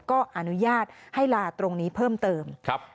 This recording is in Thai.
ก็อนุญาตให้ลาตรงนี้เพิ่มเติม